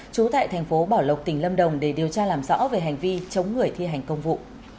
trú tại thành phố bảo lộc tỉnh lâm đồng để điều tra làm rõ về hành vi chống người thi hành công vụ